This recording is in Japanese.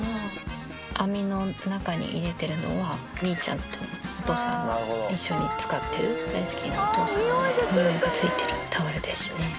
網の中に入れてるのは、みーちゃんとお父さんが一緒に使ってる、大好きなお父さんのにおいがついてるタオルですね。